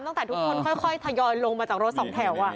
ตั้งแต่ทุกคนค่อยทยอยลงมาจากรถสองแถว